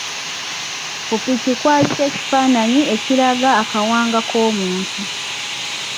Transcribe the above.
Ku ppiki kwaliko ekifaananyi ekiraga akawanga k’omuntu.